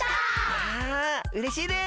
わうれしいです！